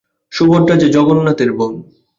সুভদ্রা যে জগন্নাথের বােন!